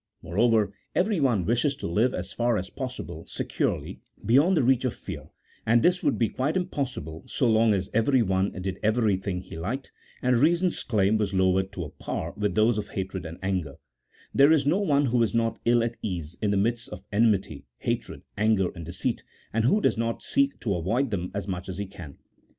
Moreover, everyone wishes to live as far as possible securely beyond the reach of fear, and this would be quite impossible so long as everyone did everything he liked, and reason's claim was lowered to a par with those of hatred and anger ; there is no one who is not ill at ease in the midst of enmity, hatred, anger, and deceit, and who does not seek to avoid them as much as he can.